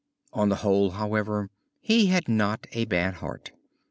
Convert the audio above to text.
On the whole, however, he had not a bad heart.